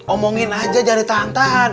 omongin aja jangan ditahan tahan